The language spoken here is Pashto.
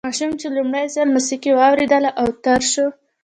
ماشوم چې لومړی ځل موسیقي واورېده اوتر شو